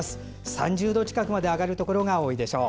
３０度近くまで上がるところが多いでしょう。